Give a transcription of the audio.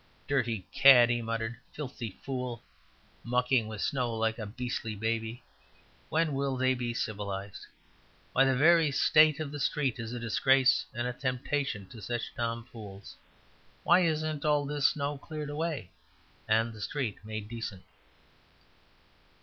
"Dirty cad!" he muttered. "Filthy fool! Mucking with snow like a beastly baby! When will they be civilized? Why, the very state of the street is a disgrace and a temptation to such tomfools. Why isn't all this snow cleared away and the street made decent?"